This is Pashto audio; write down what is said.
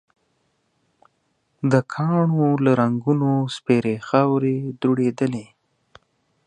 د کاڼو له رنګونو سپېرې خاورې دوړېدلې.